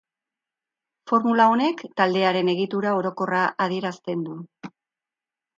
Formula honek taldearen egitura orokorra adierazten du.